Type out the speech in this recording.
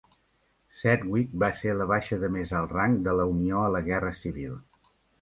Sedgwick va ser la baixa de més alt rang de la Unió a la Guerra Civil.